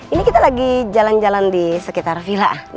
ini kita lagi jalan jalan di sekitar villa